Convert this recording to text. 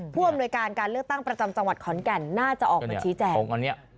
ผู้อำนวยการการเลือกตั้งประจำจังหวัดขอนแก่นน่าจะออกมาชี้แจง